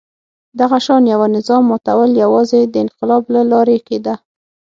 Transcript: دغه شان یوه نظام ماتول یوازې د انقلاب له لارې کېده.